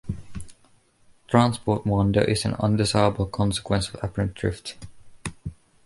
Transport wander is an undesirable consequence of apparent drift.